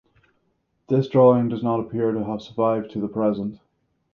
This drawing does not appear to have survived to the present.